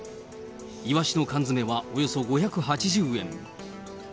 イワシの缶詰はおよそ５８０円。